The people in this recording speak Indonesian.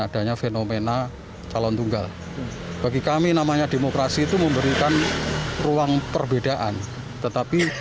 adanya fenomena calon tunggal bagi kami namanya demokrasi itu memberikan ruang perbedaan tetapi